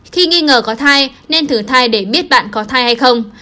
khi nghi ngờ có thai nên thử thai để biết bạn có thai hay không